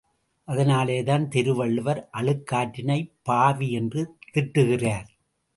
அதனால்தானே திருவள்ளுவர் அழுக்காற்றினைப் பாவி என்று திட்டுகிறார்.